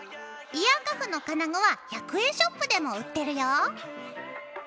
イヤーカフの金具は１００円ショップでも売ってるよ。